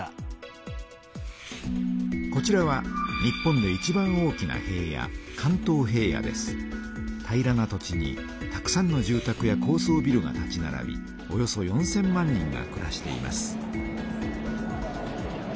こちらは日本でいちばん大きな平野平らな土地にたくさんの住たくや高そうビルが立ちならびおよそ４，０００万人がくらしています。